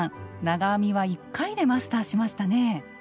長編みは１回でマスターしましたね。